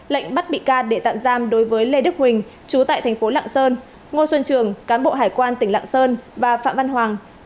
lệnh bắt bị can để tạm giam đối với lê đức huỳnh chú tại thành phố lạng sơn ngô xuân trường cán bộ hải quan tỉnh lạng sơn và phạm văn hoàng